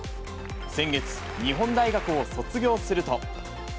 先月、日本大学を卒業すると。